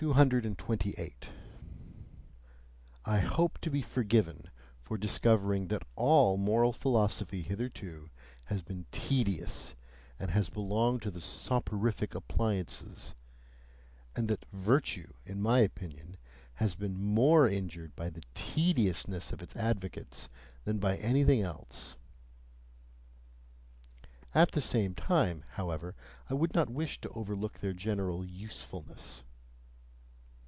228. I hope to be forgiven for discovering that all moral philosophy hitherto has been tedious and has belonged to the soporific appliances and that "virtue," in my opinion, has been MORE injured by the TEDIOUSNESS of its advocates than by anything else; at the same time, however, I would not wish to overlook their general usefulness.